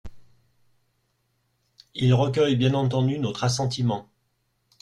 Il recueille bien entendu notre assentiment.